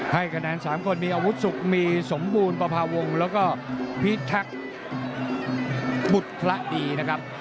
ให้คะแนน๓คนมีอาวุธสุขมีสมบูรณ์ประพาวงศ์แล้วก็พิทักษ์บุตรพระดีนะครับ